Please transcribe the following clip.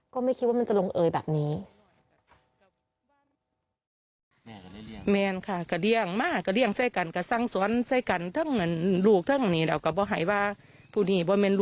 ก็ไม่คิดว่ามันจะลงเอยแบบนี้